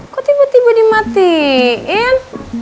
kok tiba tiba dimatiin